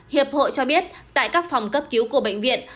hiệp hội cho biết tại các phòng cấp cứu của bệnh viện